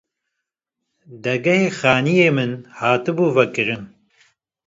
Dergehê xanîyê min hatibû vekirin